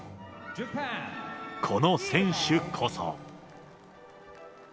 この選手こそ。